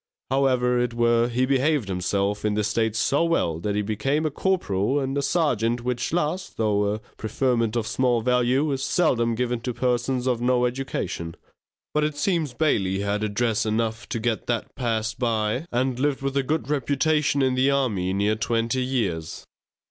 However, it were, he behaved himself in this state so well that he became a corporal and serjeant, which last, though a preferment of small value, is seldom given to persons of no education. But it seems Bailey had address enough to get that passed by, and lived with a good reputation in the army near twenty years.